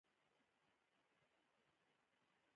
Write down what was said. ژمی دی، سخته به وي.